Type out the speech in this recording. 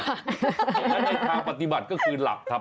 แต่ในทางปฏิบัติก็คือหลับครับ